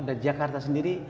dan jakarta sendiri